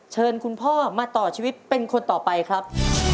เชิญคุณพ่อมาต่อชีวิตเป็นคนต่อไปครับ